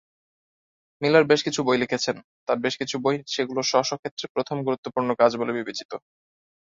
Miller বেশ কিছু বই লিখেছেন, তার বেশ কিছু বই সেগুলোর স্ব স্ব ক্ষেত্রে প্রথম গুরুত্বপূর্ণ কাজ বলে বিবেচিত।